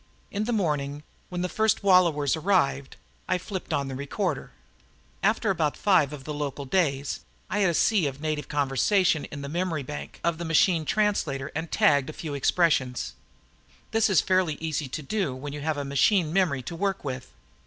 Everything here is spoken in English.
In the morning, when the first wallowers arrived, I flipped on the recorder. After about five of the local days, I had a sea of native conversation in the memory bank of the machine translator and had tagged a few expressions. This is fairly easy to do when you have a machine memory to work with.